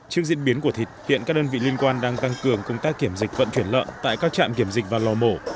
trước diễn biến của thịt hiện các đơn vị liên quan đang tăng cường công tác kiểm dịch vận chuyển lợn tại các trạm kiểm dịch và lò mổ